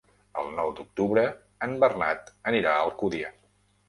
El nou d'octubre en Bernat anirà a Alcúdia.